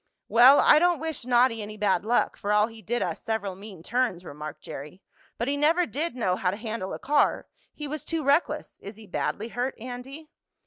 "Well, I don't wish Noddy any bad luck, for all he did us several mean turns," remarked Jerry. "But he never did know how to handle a car he was too reckless. Is he badly hurt, Andy?"